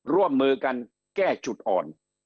ร่วมมือกันแก้จุดอ่อน